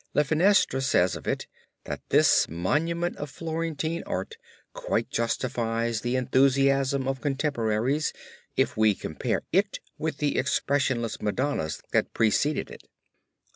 Lafenestre says of it, that this monument of Florentine art quite justifies the enthusiasm of contemporaries if we compare it with the expressionless Madonnas that preceded it.